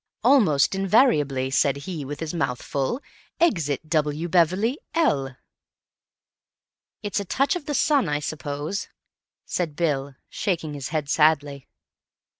"Almost invariably. Said he with his mouth full. Exit W. Beverley, L." "It's a touch of the sun, I suppose," said Bill, shaking his head sadly.